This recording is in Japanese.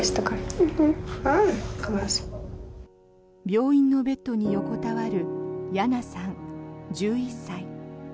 病院のベッドに横たわるヤナさん、１１歳。